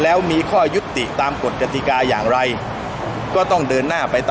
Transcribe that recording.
และมีส่วนรัสระเวลาจริงเลยในการเรียบร้อยสภาพสูยตรงนี้ย่อเข้าหนึ่ง